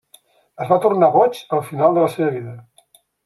Es va tornar boig al final de la seva vida.